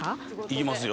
行きますよ